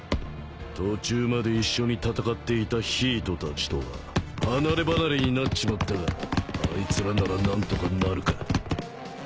途中まで一緒に戦っていたヒートたちとは離れ離れになっちまったがあいつらなら何とかなるか。